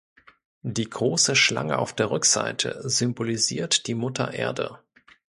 Die große Schlange auf der Rückseite symbolisiert die Mutter Erde.